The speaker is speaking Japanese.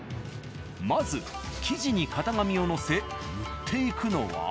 まず生地に型紙を載せ塗っていくのは。